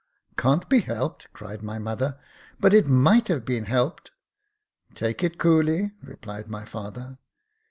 "Can't be helped !" cried my mother j " but it might have been helped." Take it coolly," replied my father.